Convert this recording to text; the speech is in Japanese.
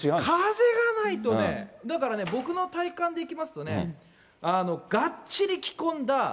風がないとね、だからね、僕の体感でいきますとね、がっちり着込んだ